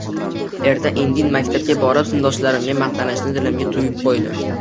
Erta-indin maktabga borib, sinfdoshlarimga maqtanishni dilimga tugib qo‘ydim.